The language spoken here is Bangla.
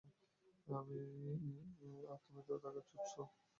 আর তুমি তো তাকে চুদছ!